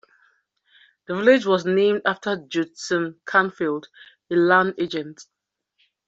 The village was named after Judson Canfield, a land agent.